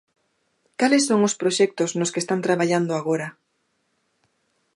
Cales son os proxectos nos que están traballando agora?